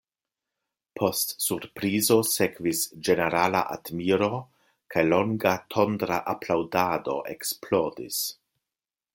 Post surprizo sekvis ĝenerala admiro, kaj longa tondra aplaŭdado eksplodis.